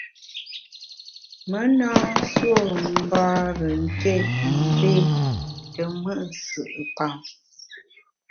Me na nsuo mbare nké üré te mùt nsù’pam.